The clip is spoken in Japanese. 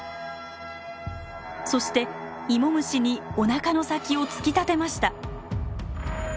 そしてイモムシにおなかの先を突き立てました。